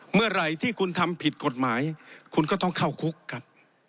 เมื่อไหร่ที่คุณทำผิดกฎหมายคุณก็ต้องเข้าคุกครับ